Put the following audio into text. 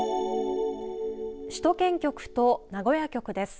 首都圏局と名古屋局です。